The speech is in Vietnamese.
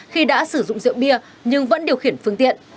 khi đã sử dụng rượu bia nhưng vẫn điều khiển phương tiện